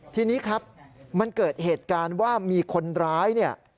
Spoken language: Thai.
ทีนี้ครับมันเกิดเหตุการณ์ว่ามีคนร้ายเนี่ย